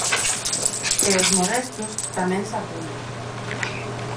E os modestos tamén se apuntan.